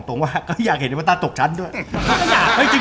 ดูอยากให้เอฟเวอร์ตันการต่อเนี่ย